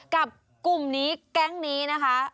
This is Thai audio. กลุ่มนี้แก๊งนี้นะคะ